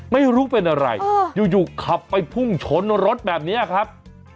ไม่รู้เป็นอะไรอยู่ขับไปพุ่งชนรถแบบนี้ครับ